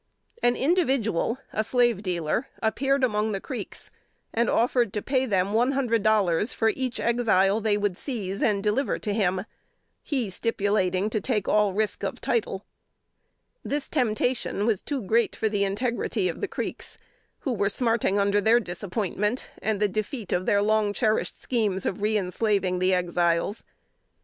An individual, a slave dealer, appeared among the Creeks and offered to pay them one hundred dollars for each Exile they would seize and deliver to him; he stipulating to take all risk of title. [Sidenote: 1849.] This temptation was too great for the integrity of the Creeks, who were smarting under their disappointment, and the defeat of their long cherished schemes, of reënslaving the Exiles.